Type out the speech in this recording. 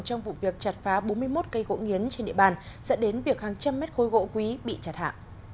trong vụ việc chặt phá bốn mươi một cây gỗ nghiến trên địa bàn dẫn đến việc hàng trăm mét khối gỗ quý bị chặt hạ